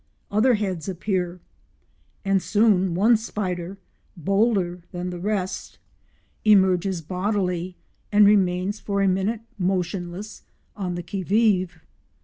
Other heads appear, and soon one spider, bolder than the rest, emerges bodily, and remains for a minute motionless, on the qui vive.